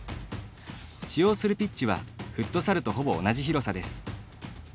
使用するピッチはフットサルとほぼ同じ広さです。